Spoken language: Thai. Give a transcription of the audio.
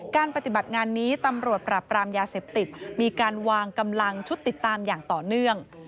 การปฏิบัติงานนี้ตำรวจปราบปรามยาเสพติดมีการวางกำลังชุดติดตามอย่างต่อเนื่อง